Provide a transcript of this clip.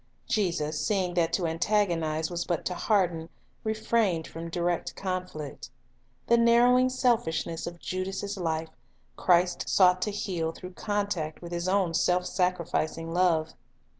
Jesus, seeing that to antagonize was but to harden, refrained from direct conflict. The narrowing selfishness of Judas' life, Christ sought to heal through contact with His own self sacrificing love.